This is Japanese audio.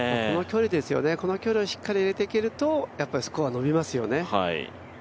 この距離をしっかりと入れていけると、スコア、伸びますよね。